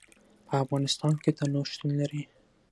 په افغانستان کې تنوع شتون لري.